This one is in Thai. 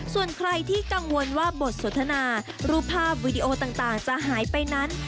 ส่วนใครที่กังวลว่าบทสนทนารูปภาพวีดีโอต่างจะหายไปนั้น